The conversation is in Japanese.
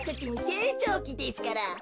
せいちょうきですから。